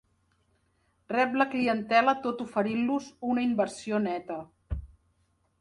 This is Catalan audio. Rep la clientela tot oferint-los una inversió neta.